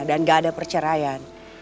dan gak ada perceraian